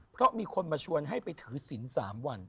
เพราะมีคนมาชวนให้ไปถือศิลป์๓วัน